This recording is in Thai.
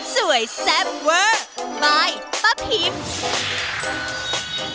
สวยแซมเวอร์มายป้าพิมฮ์